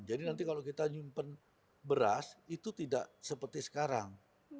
jadi nanti kalau kita menyimpan beras itu tidak seperti sekarang